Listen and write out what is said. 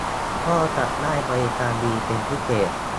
ก็จะได้บริการดีเป็นพิเศษ